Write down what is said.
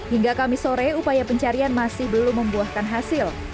hingga kamis sore upaya pencarian masih belum membuahkan hasil